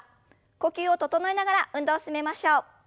呼吸を整えながら運動を進めましょう。